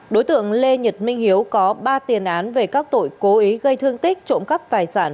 đối tượng lê nhật minh hiếu có ba tiền án về các tội cố ý gây thương tích trộm cắp tài sản